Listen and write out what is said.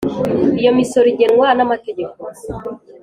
Iyo misoro igenwa n’ amategeko